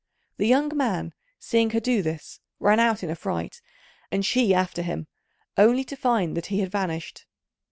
The young man, seeing her do this, ran out in a fright and she after him, only to find that he had vanished.